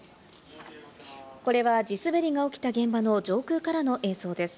これは地滑りが起きた現場の上空からの映像です。